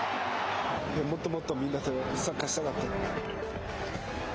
もっともっとみんなとサッカーしたかった。